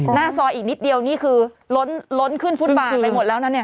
หน้าซอยอีกนิดเดียวนี่คือล้นขึ้นฟุตบาทไปหมดแล้วนะเนี่ย